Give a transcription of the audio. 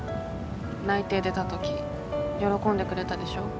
内定出た時喜んでくれたでしょ。